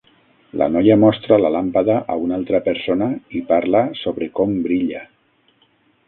La noia mostra la làmpada a una altra persona i parla sobre com brilla